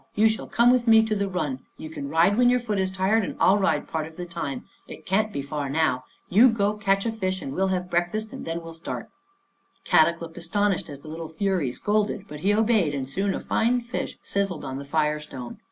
You shall come with me to the run. You can ride when your foot is tired and I'll ride part of the time. It can't be far now. You go catch a fish and we'll have breakfast, then we'll start." Kadok looked astonished as the little fury scolded, but he obeyed, and soon a fine fish siz zled on the fire stone.